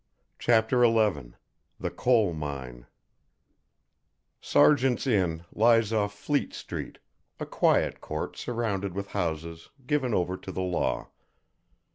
CHAPTER XI THE COAL MINE Sergeant's Inn lies off Fleet Street, a quiet court surrounded with houses given over to the law.